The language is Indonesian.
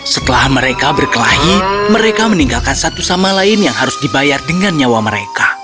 setelah mereka berkelahi mereka meninggalkan satu sama lain yang harus dibayar dengan nyawa mereka